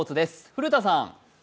古田さん。